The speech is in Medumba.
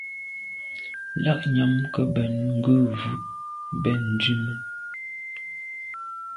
Lagnyam ke mbèn ngù wut ben ndume.